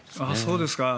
そうですか。